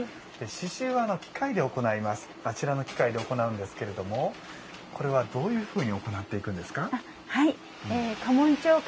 刺しゅうはあちらの機械で行うんですけどもこれは、どういうふうに行っていくんですか？